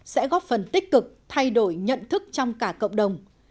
sẽ góp phần tích cực thay đổi nhận thức trong cả cộng đồng